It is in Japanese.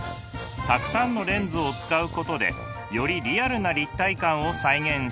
たくさんのレンズを使うことでよりリアルな立体感を再現しているのです。